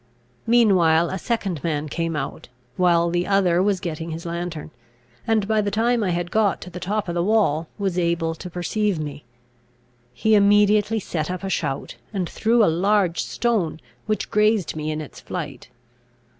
Meanwhile a second man came out, while the other was getting his lantern, and by the time I had got to the top of the wall was able to perceive me. He immediately set up a shout, and threw a large stone, which grazed me in its flight.